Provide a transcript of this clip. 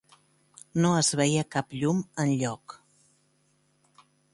No es veia cap llum enlloc.